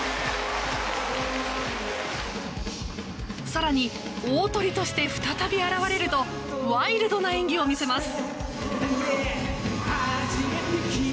更に、大トリとして再び現れるとワイルドな演技を見せます。